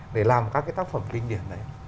để làm các cái tác phẩm kinh điển đấy